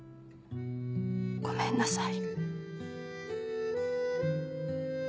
ごめんなさい」。